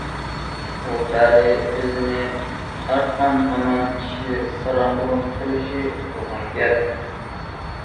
ئۇ پەرى ئۆزىنى تارتقان ھامان كىشى ساراڭ بولۇپ قېلىشى تۇرغان گەپ.